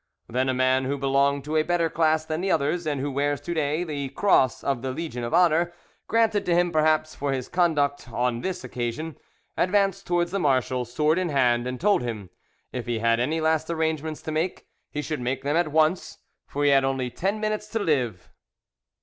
Then a man who belonged to a better class than the others, and who wears to day the Cross of the Legion of Honour, granted to him perhaps for his conduct on this occasion, advanced towards the marshal, sword in hand, and told him if he had any last arrangements to make, he should make them at once, for he had only ten minutes to live.